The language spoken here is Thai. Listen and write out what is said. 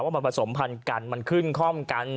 ว่ามันผสมพันธุ์กันมันขึ้นคล่อมกัน